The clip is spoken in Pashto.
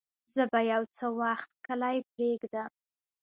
زه به يو څه وخت کلی پرېږدم.